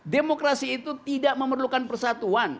demokrasi itu tidak memerlukan persatuan